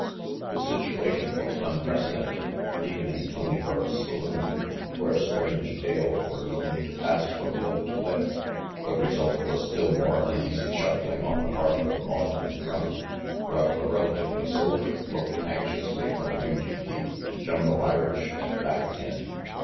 The situation was unprecedented, even in Tony Burke's saloon, where strange tales were known to pass from lip to lip. The result was still more uneasy shuffling on the part of the maudlin drunk, while the relatively sober looked anxiously from Rangy Pete to Jumbo Irish and back again.